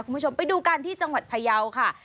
คุณผู้ชมไปดูกันที่จังหวัดพยาวค่ะ